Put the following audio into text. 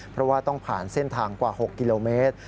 เพราะว่าต้องผ่านเส้นทางกว่า๖กิโลเมตร